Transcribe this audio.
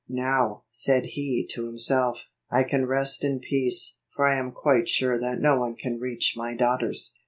"Now," said he to himself, "lean rest in peace, for I am quite sure that no one can reach my daughters."